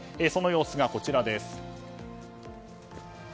その様子がこちらです。